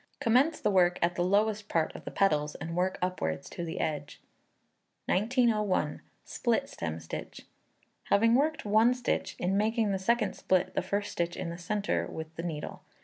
Commence the work at the lowest part of the petals, and work upwards to the edge. 1901. Split Stem Stitch. Having worked one stitch, in making the second split the first stitch in the centre with the needle.